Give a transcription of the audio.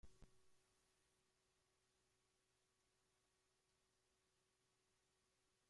El uso de suelo es fundamentalmente habitacional.